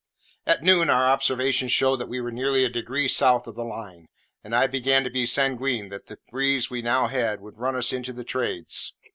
At noon our observations showed that we were nearly a degree south of the line; and I began to be sanguine that the breeze we now had would run us into the trades.